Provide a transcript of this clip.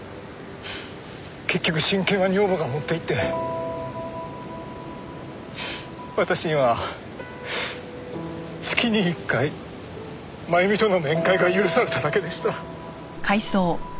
結局親権は女房が持っていって私には月に１回真由美との面会が許されただけでした。